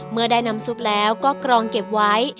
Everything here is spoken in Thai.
เมื่อได้น้ำซุปแล้วก็กรองเก็บไว้